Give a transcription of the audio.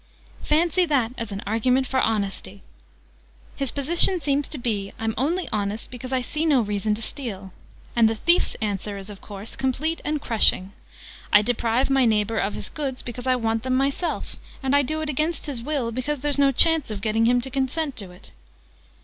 Fancy that as an argument for Honesty! His position seems to be 'I'm only honest because I see no reason to steal.' And the thief's answer is of course complete and crushing. 'I deprive my neighbour of his goods because I want them myself. And I do it against his will because there's no chance of getting him to consent to it!'"